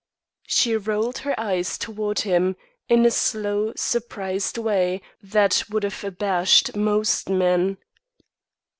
She rolled her eyes towards him, in a slow, surprised way, that would have abashed most men.